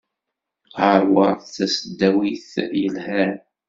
Harvard d tasdawit yelhan.